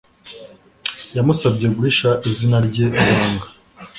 yamusabye guhisha izina rye ibanga